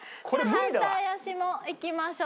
反対足もいきましょう。